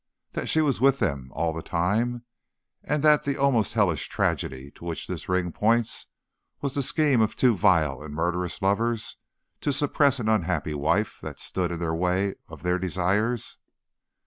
That she was with them all the time, and that the almost hellish tragedy to which this ring points was the scheme of two vile and murderous lovers to suppress an unhappy wife that stood in the way of their desires?"